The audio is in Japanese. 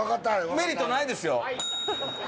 メリットないですよ。